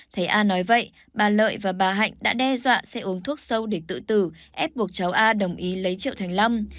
thấy a nói vậy bà lợi và bà hạnh đã đe dọa sẽ uống thuốc sâu để tự tử ép buộc cháu a đồng ý lấy triệu thành lông